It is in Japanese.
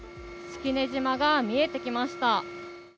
式根島が見えてきました。